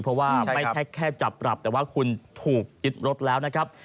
เพราะว่าไม่ใช่แค่จับปรับแต่ว่าคุณถูกยึดรถแล้วนะครับ